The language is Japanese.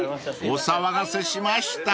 ［お騒がせしました］